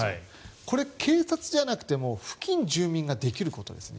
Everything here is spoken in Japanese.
これ警察じゃなくても付近住民ができることですね。